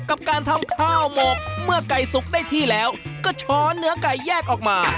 กับการทำข้าวหมกเมื่อไก่สุกได้ที่แล้วก็ช้อนเนื้อไก่แยกออกมา